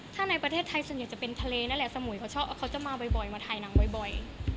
ถ้าในประเทศไทยส่วนใหญ่จะเป็นทะเลนั่นแหละสมุยเขาชอบเขาจะมาบ่อยมาถ่ายหนังบ่อย